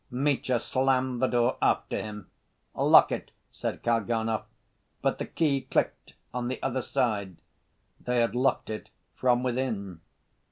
Mitya slammed the door after him. "Lock it," said Kalganov. But the key clicked on the other side, they had locked it from within.